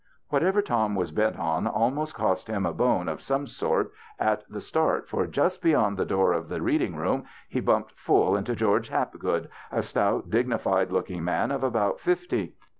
Whatever Tom was bent on almost cost him a bone of some sort at the start, for just beyond the door of the reading room he bumped full into George Hapgood, a stout, dignified looking man of about fifty.